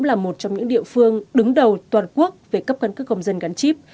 là một trong những địa phương đứng đầu toàn quốc về cấp căn cước công dân gắn chip